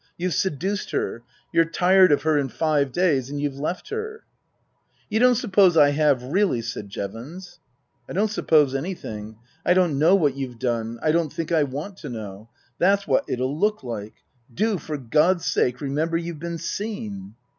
You've seduced her. You're tired of her in five days and you've left her." " You don't suppose I have really ?" said Jevons. " I don't suppose anything. I don't know what you've done. I don't think I want to know. That's what it'll look like. Do, for God's sake, remember you've been seen."